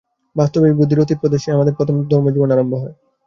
বাস্তবিক, বুদ্ধির অতীত প্রদেশেই আমাদের প্রথম ধর্মজীবন আরম্ভ হয়।